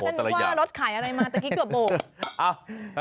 ดิฉันนึกว่ารถขายอะไรมาเมื่อกี้เกือบโบ